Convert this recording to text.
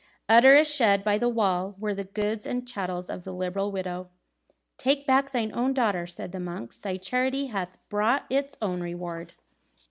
Under a shed by the wall were the goods and chattels of the liberal widow. "Take back thine own, daughter," said the monk; "thy charity hath brought its own reward."